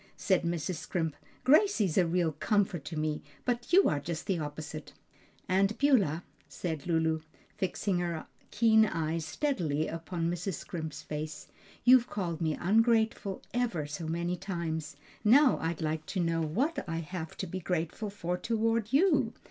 said Mrs. Scrimp. "Gracie's a real comfort to me, but you are just the opposite." "Aunt Beulah," said Lulu, fixing her keen eyes steadily upon Mrs. Scrimp's face, "you've called me ungrateful ever so many times. Now I'd like to know what I have to be grateful for toward you?